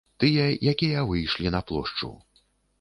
Тыя, якія выйшлі на плошчу.